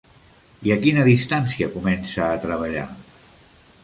I a quina distància comença a treballar?